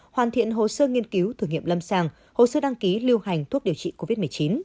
hoàn thiện hồ sơ nghiên cứu thử nghiệm lâm sàng hồ sơ đăng ký lưu hành thuốc điều trị covid một mươi chín